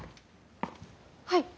はい。